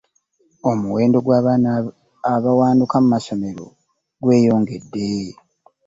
Omuwendo gw'abaana abawanduse mu masomero gweyongedde.